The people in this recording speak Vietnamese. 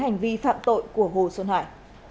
những hành vi phạm tội của hồ xuân hải